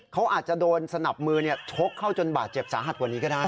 เขาอาจจะโดนสนับมือชกเข้าจนบาดเจ็บสาหัสกว่านี้ก็ได้